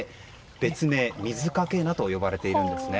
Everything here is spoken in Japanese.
別名、水掛菜と呼ばれているんですね。